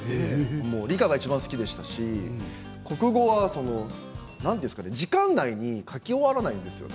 理科がいちばん好きでしたし国語は時間内に書き終わらないんですよ。